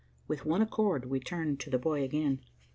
With one accord we turned to the boy again.